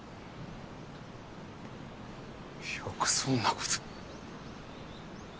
よくそんなこと。